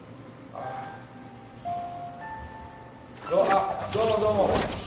あっどうもどうも。